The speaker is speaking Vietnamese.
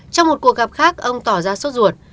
trong một cuộc gặp khác ông tỏ ra sốt ruột